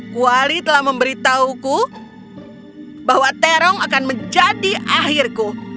kuali telah memberitahuku bahwa terong akan menjadi akhirku